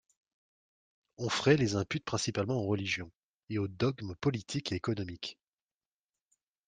Onfray les impute principalement aux religions et aux dogmes politiques et économiques.